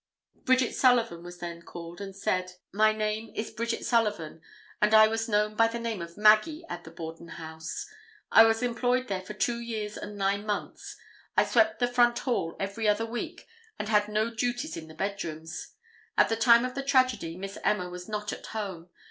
Bridget Sullivan was then called and said: "My name is Bridget Sullivan, and I was known by the name of Maggie at the Borden house. I was employed there for two years and nine months. I swept the front hall every other week and had no duties in the bedrooms. At the time of the tragedy Miss Emma was not at home.